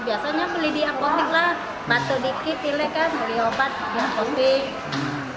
biasanya beli di apotek lah bantu dikit pilih kan beli obat di apotek